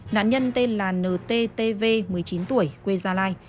nạn nhân tên là nttv một mươi chín tuổi quê gia lai